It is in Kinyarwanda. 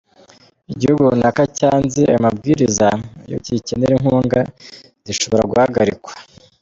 Igihugu runaka cyanze ayo mabwiriza, iyo kigikenera inkunga zishobora guhagarikwa.